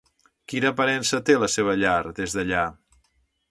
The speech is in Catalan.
Quina aparença té la seva llar des d'allà?